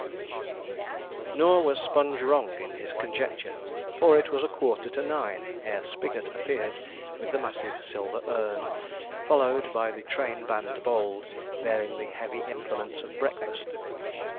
Nor was Sponge wrong in his conjecture, for it was a quarter to nine ere Spigot appeared with the massive silver urn, followed by the train band bold, bearing the heavy implements of breakfast.